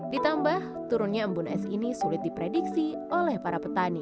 ditambah turunnya embun es ini sulit diprediksi oleh para petani